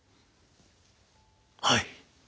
はい。